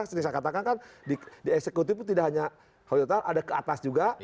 jadi saya katakan kan di eksekutif itu tidak hanya hal total ada ke atas juga